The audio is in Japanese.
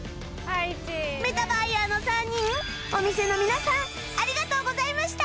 メタバイヤーの３人お店の皆さんありがとうございました！